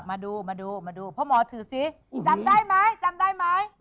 มาดูมาดูพ่อหมอถือสิจำได้ไหมจำได้ไหม